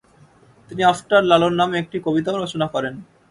তিনি আফটার লালন নামে একটি কবিতাও রচনা করেন।